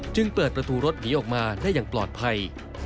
จึงเปิดประตูรถหนีออกมาได้อย่างปลอดภัย